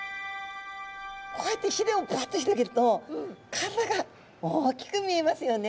こうやってひれをブワッと広げると体が大きく見えますよね。